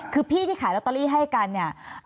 คือพี่ที่ขายลอตเตอรี่ให้กันเนี่ย